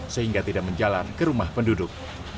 sehingga tidak menjalar ke rumah penduduk